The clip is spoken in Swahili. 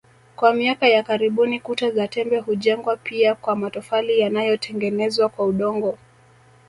Kwa miaka ya karibuni kuta za tembe hujengwa pia kwa matofali yanayotengenezwa kwa udongo